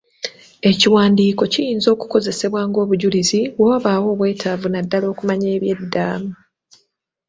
Ekiwandiiko kiyinza okukozesebwa ng'obujulizi bwe wabaawo obwetaavu naddala okumanya eby'edda.